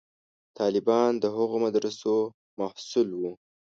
طالبان د هغو مدرسو محصول وو.